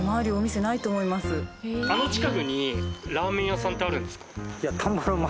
あの近くにラーメン屋さんってあるんですか？